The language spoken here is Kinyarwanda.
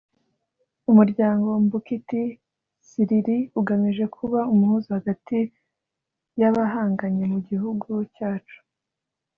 "Umuryango Mbuki Ti Siriri ugamije kuba umuhuza hagati y’abahanganye mu gihugu cyacu